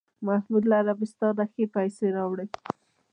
محمود له عربستانه ښې پسې راوړې.